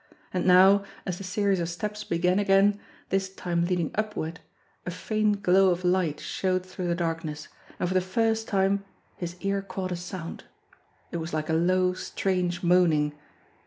And now, as the series of steps began again, this time lead ing upward, a faint glow of light showed through the dark ness, and for the first time his ear caught a sound it was like a low, strange moaning.